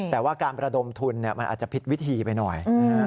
แต่ว่าการประดมทุนมันอาจจะผิดวิธีไปหน่อย